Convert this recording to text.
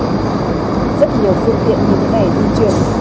rất nhiều phương tiện như thế này di chuyển